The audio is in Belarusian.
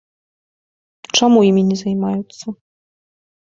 Чаму імі не займаюцца?